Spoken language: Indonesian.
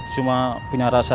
cuma punya rasa